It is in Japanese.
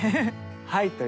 はい。